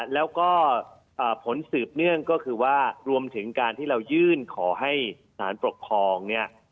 แล้วก็ผลสืบเนื่องก็คือว่ารวมถึงการที่เรายื่นขอให้สารปกครองเนี่ย